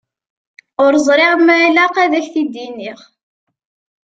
Ur ẓriɣ ma ilaq ad k-t-id-iniɣ.